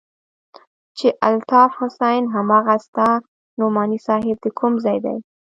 چې الطاف حسين هماغه ستا نعماني صاحب د کوم ځاى دى.